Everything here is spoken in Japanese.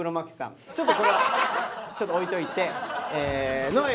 ちょっとこれはちょっと置いといて如恵